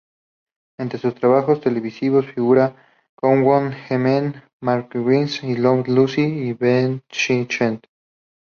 Entre sus trabajos televisivos figuran "Cowboy G-Men", "Maverick", "I Love Lucy" y "Bewitched".